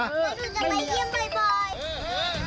แก่กดอย่าลุงตรงขวานเก่ง